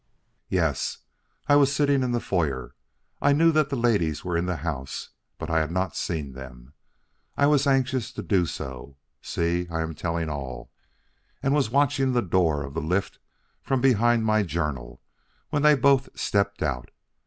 "Yes. I was sitting in the foyer. I knew that the ladies were in the house, but I had not seen them. I was anxious to do so (see, I am telling all) and was watching the door of the lift from behind my journal, when they both stepped out.